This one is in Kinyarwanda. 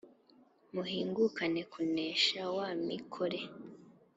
muhingukana-kunesha wa mikore